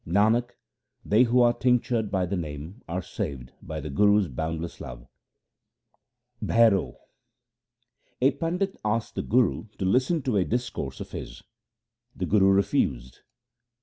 Nanak, they who are tinctured by the Name are saved by the Guru's boundless love. Bhairo A pandit asked the Guru to listen to a discourse of his. The Guru refused.